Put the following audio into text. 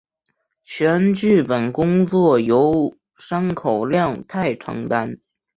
全剧本工作由山口亮太担任。